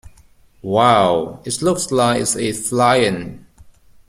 Wow! It looks like it is flying!